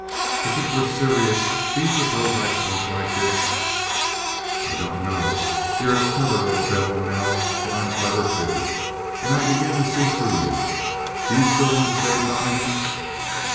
"If it were serious, do you suppose I'd talk like this?" "I don't know. You're a clever little devil, Nell. But I'm clever, too. And I begin to see through you. Do you still want to save Donnegan?"